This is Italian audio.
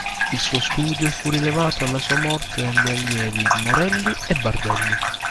Il suo studio fu rilevato alla sua morte dagli allievi Morelli e Bardelli.